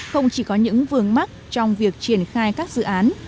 không chỉ có những vườn mắt trong việc triển khai các dự án